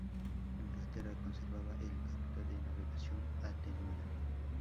Inglaterra conservaba el "Acta de Navegación" atenuada.